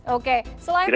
oke selain pra